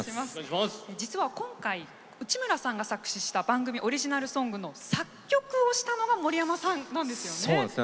実は、今回、内村さんが作詞した番組オリジナルソングの作曲をしたのが森山さんなんですよね。